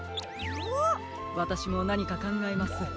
わたしもなにかかんがえます。